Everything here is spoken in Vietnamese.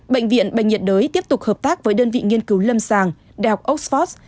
bệnh viện bệnh nhiệt đới tiếp tục hợp tác với đơn vị nghiên cứu lâm sàng đh oxford